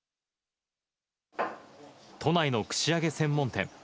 都内の串揚げ専門店。